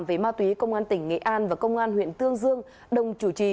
về ma túy công an tỉnh nghệ an và công an huyện tương dương đồng chủ trì